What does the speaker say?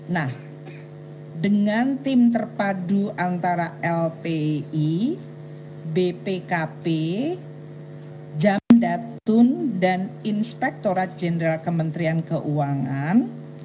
nah dengan tim terpadu antara lpei bpkp jamdatun dan inspektorat jenderal kementerian keuangan